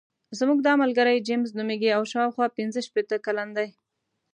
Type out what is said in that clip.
زموږ دا ملګری جیمز نومېږي او شاوخوا پنځه شپېته کلن دی.